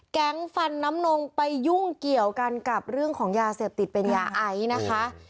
แก๊งฟันน้ำนงไปยุ่งเกี่ยวกันกับเรื่องของยาเสพติดเป็นยาไอนะคะ